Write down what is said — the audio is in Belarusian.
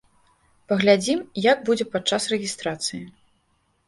Паглядзім як будзе падчас рэгістрацыі.